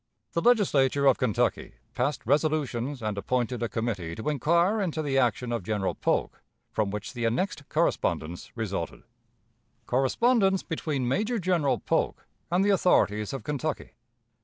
The Legislature of Kentucky passed resolutions and appointed a committee to inquire into the action of General Polk, from which the annexed correspondence resulted: CORRESPONDENCE BETWEEN MAJOR GENERAL POLK AND THE AUTHORITIES OF KENTUCKY.